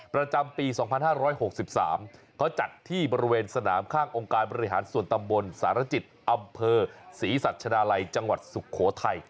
ประจำปี๒๕๖๓เขาจัดที่บริเวณสนามข้างองค์การบริหารส่วนตำบลสารจิตอำเภอศรีสัชดาลัยจังหวัดสุโขทัย